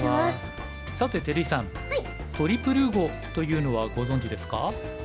さて照井さんトリプル碁というのはご存じですか？